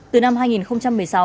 từ năm hai nghìn một mươi sáu